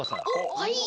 はい。